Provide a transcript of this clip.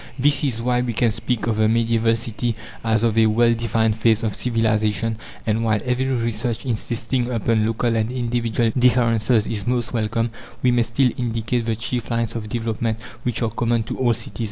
This is why we can speak of the medieval city as of a well defined phase of civilization; and while every research insisting upon local and individual differences is most welcome, we may still indicate the chief lines of development which are common to all cities.